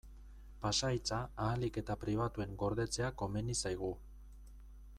Pasahitza ahalik eta pribatuen gordetzea komeni zaigu.